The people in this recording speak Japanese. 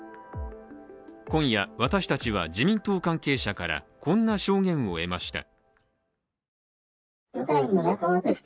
今夜、私たちは自民党関係者からこんな証言を得ました。